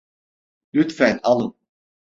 Lütfen alın.